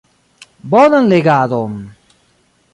Bonan legadon!